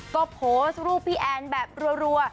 ก็โพสต์รูปพี่แอนแบบรัว